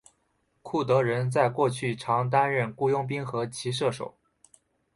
库德人在过去常担任雇佣兵和骑射手。